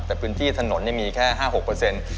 แต่พื้นที่ถนนมีแค่๕๖เปอร์เซ็นต์